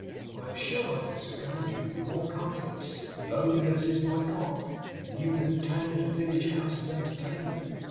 I am sure I could surround you with more comforts lowly as is my Cot than you can obtain at a village house of entertainment.